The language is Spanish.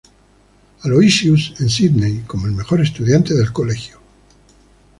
Aloysius, en Sídney, como el mejor estudiante del colegio.